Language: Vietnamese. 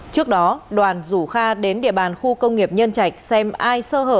trước đó đoàn rủ kha đến địa bàn khu công nghiệp nhân trạch xem ai sơ hở